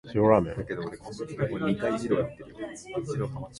事業者による各戸へのポスティング